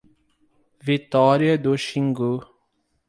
Vitória do Xingu